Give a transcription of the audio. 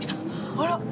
あら。